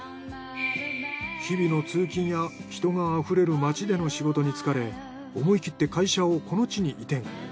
日々の通勤や人があふれる街での仕事に疲れ思い切って会社をこの地に移転。